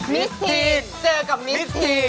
มิสทีนเจอกับมิสทีน